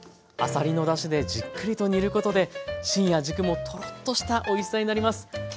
あさりのだしでじっくりと煮ることで芯や軸もトロッとしたおいしさになります。